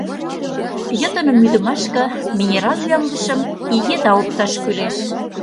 Йытыным ӱдымашке минерал ӱяҥдышым ий еда опташ кӱлеш.